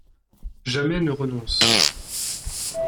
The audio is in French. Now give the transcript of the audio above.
Jamais ne renonce